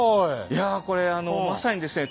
いやこれまさにですね